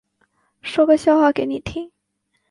说个笑话给你听